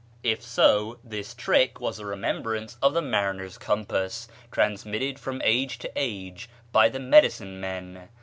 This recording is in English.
If so, this trick was a remembrance of the mariner's compass transmitted from age to age by the medicine men.